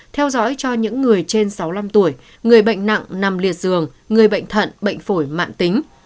theo dõi cho những người trên sáu mươi năm tuổi người bệnh nặng nằm liệt giường người bệnh thận bệnh phổi mạng tính